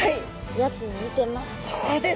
やつに似てます。